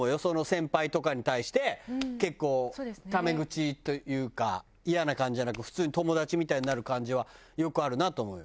先輩とかに対して結構タメ口というかイヤな感じじゃなく普通に友達みたいになる感じはよくあるなと思うよ。